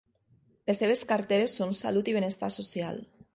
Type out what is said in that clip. Les seves carteres són Salut i Benestar social.